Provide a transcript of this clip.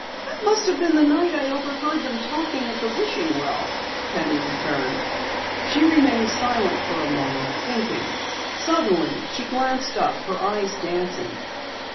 "That must have been the night I overheard them talking at the wishing well," Penny returned. She remained silent a moment, thinking. Suddenly, she glanced up, her eyes dancing.